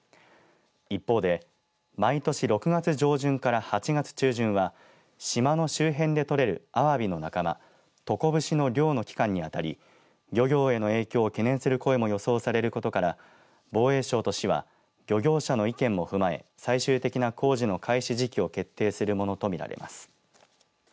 一方で毎年６月上旬から８月中旬は島の周辺でとれるアワビの仲間、トコブシの漁の期間に当たり漁業への影響を懸念する声も予想されることから防衛省と市は漁業者の意見も踏まえ最終的な工事の開始時期を決定するものとみられます。